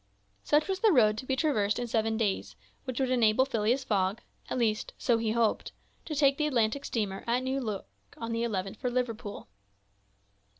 Such was the road to be traversed in seven days, which would enable Phileas Fogg—at least, so he hoped—to take the Atlantic steamer at New York on the 11th for Liverpool.